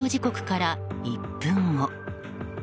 犯行時刻から１分後。